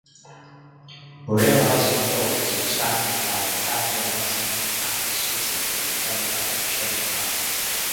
Realizing Goals was founded by Ricardo Martinelli after splitting from the Democratic Change party.